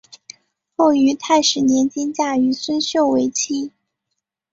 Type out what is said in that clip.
后于泰始年间嫁于孙秀为妻。